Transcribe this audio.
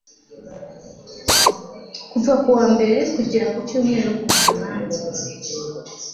kuva kuwambere kugera kucyumweru gumana nanjye